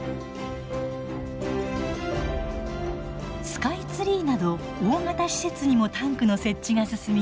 スカイツリーなど大型施設にもタンクの設置が進み